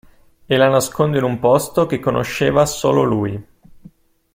E la nasconde in un posto che conosceva solo lui.